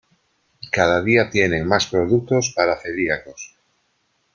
Cada día tienen más productos para celíacos.